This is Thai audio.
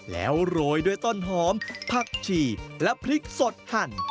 แล้วโรยด้วยต้นหอมผักชีและพริกสดหั่น